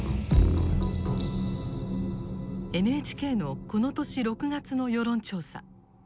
ＮＨＫのこの年６月の世論調査。